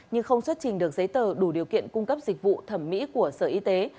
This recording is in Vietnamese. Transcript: nhưng không xuất trình được giấy tờ đủ điều kiện cung cấp dịch vụ thẩm mỹ của sở y tế